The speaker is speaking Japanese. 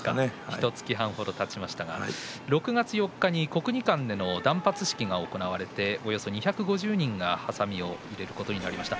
１か月半ほどたちまして６月４日に国技館での断髪式があって、およそ２５０人がはさみを入れることになりました。